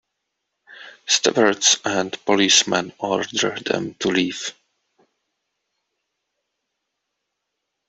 Stewards and policemen order them to leave.